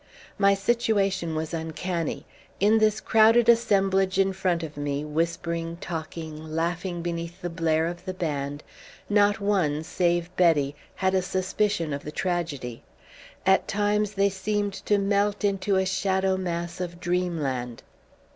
My situation was uncanny. In this crowded assemblage in front of me, whispering, talking, laughing beneath the blare of the band, not one, save Betty, had a suspicion of the tragedy. At times they seemed to melt into a shadow mass of dreamland